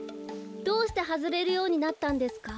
どうしてはずれるようになったんですか？